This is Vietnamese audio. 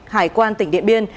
hải quan tỉnh điện biên